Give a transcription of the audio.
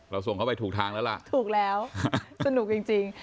ส่งเข้าไปถูกทางแล้วล่ะถูกแล้วสนุกจริง